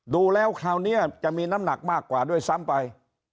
ดูแล้วคราวนี้จะมีน้ำหนักมากกว่าด้วยซ้ำไป